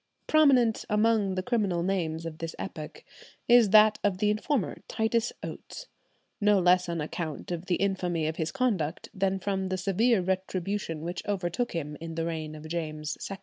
Prominent among the criminal names of this epoch is that of the informer, Titus Oates, no less on account of the infamy of his conduct than from the severe retribution which overtook him in the reign of James II.